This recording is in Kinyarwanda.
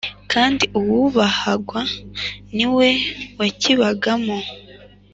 kandi uwubahwaga ni we wakibagamo